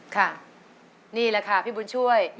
ค่ะนี่แหละค่ะพี่บุญช่วย